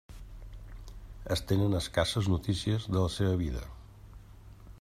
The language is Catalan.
Es tenen escasses notícies de la seva vida.